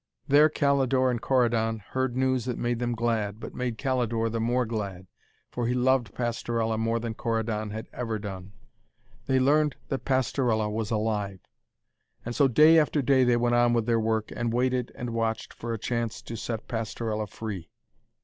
There Calidore and Corydon heard news that made them glad, but made Calidore the more glad, for he loved Pastorella more than Corydon had ever done. They learned that Pastorella was alive. And so, day after day, they went on with their work, and waited and watched for a chance to set Pastorella free.